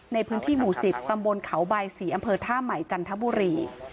ในพื้นที่หมู่๑๐ตำบลเขาใบศรีอำเภอท่าใหม่จันทบุรี